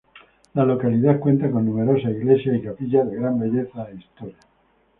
La localidad cuenta con numerosas iglesias y capillas de gran belleza e historia.